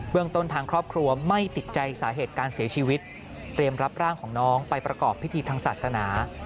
เมืองต้นทางครอบครัวไม่ติดใจสาเหตุการเสียชีวิตเตรียมรับร่างของน้องไปประกอบพิธีทางศาสนา